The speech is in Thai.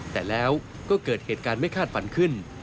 แต่แล้วก็เกิดเหตุการณ์ไม่คาดฝันขึ้น